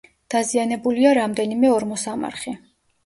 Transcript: დაზიანებულია რამდენიმე ორმოსამარხი.